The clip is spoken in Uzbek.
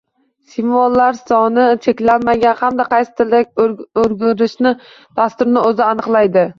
Simvollar soni cheklanmangan, hamda qaysi tilga o’girishni dasturni o’zi aniqlaydi.